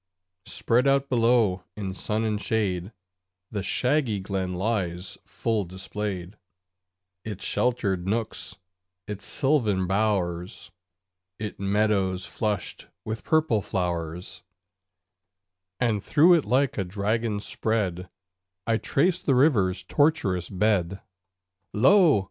Spread out below in sun and shade, The shaggy Glen lies full displayed Its sheltered nooks, its sylvan bowers, Its meadows flushed with purple flowers; And through it like a dragon spread, I trace the river's tortuous bed. Lo!